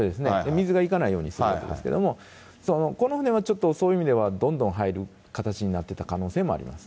水がいかないようにするわけですけれども、この船はちょっと、そういう意味では、どんどん入る形になってた可能性もあります。